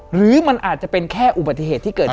หรือมันอาจจะเป็นแค่อุบัติเหตุที่เกิดขึ้น